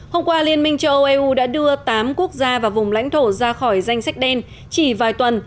hôm qua liên minh châu âu eu đã đưa tám quốc gia và vùng lãnh thổ ra khỏi danh sách đen chỉ vài tuần